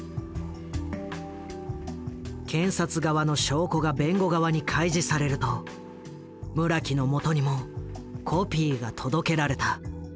検察側の証拠が弁護側に開示されると村木のもとにもコピーが届けられた。